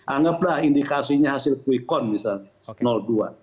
anggaplah indikasinya hasil qikon misalnya dua